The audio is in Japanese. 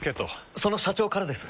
その社長からです。